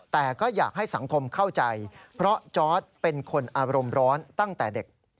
แต่ก็อยากให้สังคมเข้าใจเพราะจอร์ดเป็นคนอารมณ์ร้อนตั้งแต่เด็ก